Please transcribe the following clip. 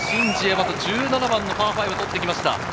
まず１７番のパー５、取ってきました。